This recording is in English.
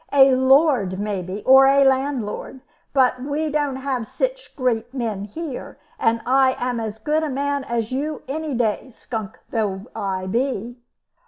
"A lord maybe, or a landlord. But we don't have sich great men here, and I am as good a man as you any day, skunk though I be."